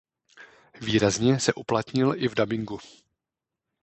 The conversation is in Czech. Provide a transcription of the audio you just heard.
Výrazně se uplatnil i v dabingu.